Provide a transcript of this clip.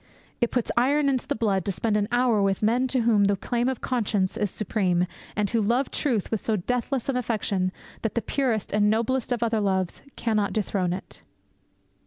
It puts iron into the blood to spend an hour with men to whom the claim of conscience is supreme, and who love truth with so deathless an affection that the purest and noblest of other loves cannot dethrone it.